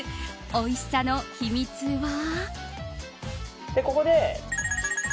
おいしさの秘密は。